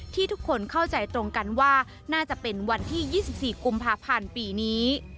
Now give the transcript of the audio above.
ที่ทุกคนเข้าใจตรงกันว่าน่าจะเป็นวันที่๒๔กุมภาพันธ์ปีนี้